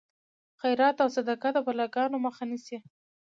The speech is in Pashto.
خیرات او صدقه د بلاګانو مخه نیسي.